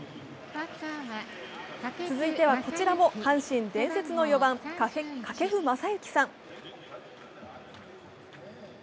続いては、こちらも阪神伝説の４番・掛布雅之さん。